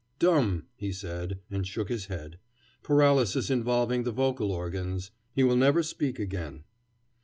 "Dumb," he said, and shook his head. "Paralysis involving the vocal organs. He will never speak again."